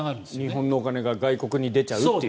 日本のお金が外国に出ちゃう。